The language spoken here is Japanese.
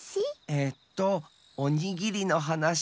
えっとおにぎりのはなし。